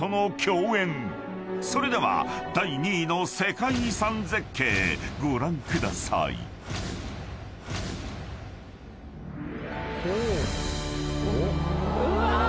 ［それでは第２位の世界遺産絶景ご覧ください］うわ！